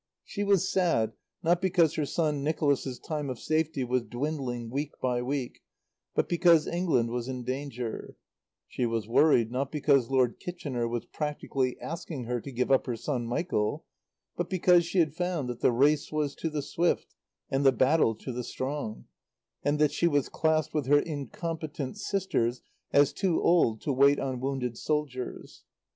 She was sad, not because her son Nicholas's time of safety was dwindling week by week, but because England was in danger; she was worried, not because Lord Kitchener was practically asking her to give up her son Michael, but because she had found that the race was to the swift and the battle to the strong, and that she was classed with her incompetent sisters as too old to wait on wounded soldiers.